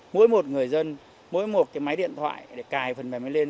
mỗi một người dân mỗi một cái máy điện thoại để cài phần mềm lên